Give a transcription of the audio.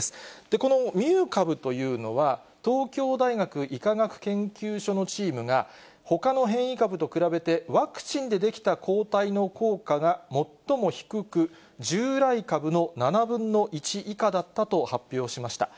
このミュー株というのは、東京大学医科学研究所のチームが、ほかの変異株と比べてワクチンで出来た抗体の効果が最も低く、従来株の７分の１以下だったと発表しました。